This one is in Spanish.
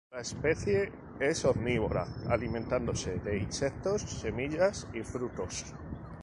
La especie es omnívora, alimentándose de insectos, semillas y frutos.